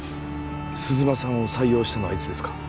鈴間さんを採用したのはいつですか？